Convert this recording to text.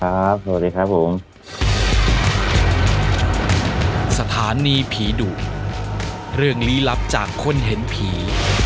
สวัสดีครับผมสถานีผีดุเรื่องลี้ลับจากคนเห็นผี